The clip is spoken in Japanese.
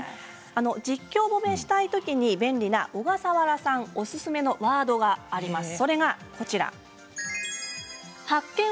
実況褒めしたい時に便利な小笠原さんおすすめのワードがあります。